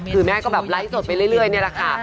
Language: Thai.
คือแม่ก็แบบไลฟ์สดไปเรื่อยนี่แหละค่ะ